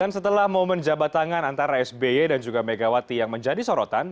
dan setelah momen jabatangan antara sby dan juga megawati yang menjadi sorotan